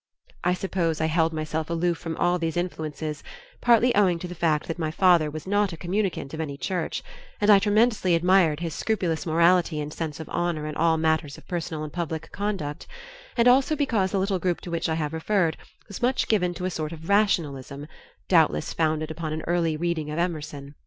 I suppose I held myself aloof from all these influences, partly owing to the fact that my father was not a communicant of any church, and I tremendously admired his scrupulous morality and sense of honor in all matters of personal and public conduct, and also because the little group to which I have referred was much given to a sort of rationalism, doubtless founded upon an early reading of Emerson.